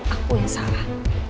aku yang salah